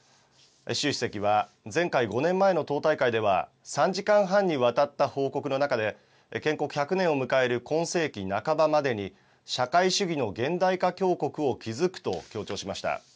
習主席は前回５年前の党大会では、３時間半にわたった報告の中で、建国１００年を迎える今世紀半ばまでに社会主義の現代化強国を築くと強調しました。